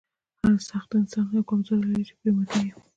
هر سخت انسان یوه کمزوري لري چې پرې ماتیږي